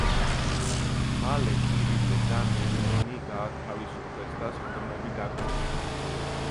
მალე კირილე და მემნონი გაათავისუფლეს და სხდომები გაგრძელდა.